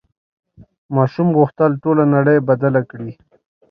ماشوم غوښتل ټوله نړۍ بدله کړي.